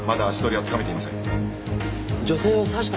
はい。